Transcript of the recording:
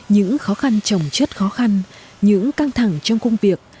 những khó khăn trồng chất khó khăn những căng thẳng trong công việc